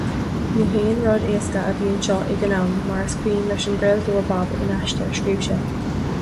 Ní haon rud éasca a bhí anseo ag an am, mar is cuimhin leis an gcraoltóir Bob in aiste a scríobh sé.